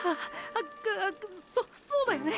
あっくそそうだよね！！